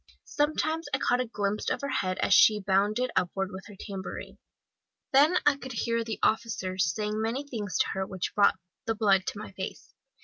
Sometimes I caught a glimpse of her head as she bounded upward with her tambourine. Then I could hear the officers saying many things to her which brought the blood to my face.